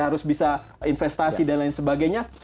harus bisa investasi dan lain sebagainya